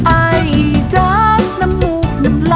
ไอจักรน้ำมูกน้ำมูก